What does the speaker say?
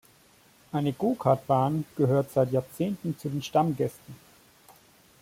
Eine Go-Kart-Bahn gehört seit Jahrzehnten zu den Stammgästen.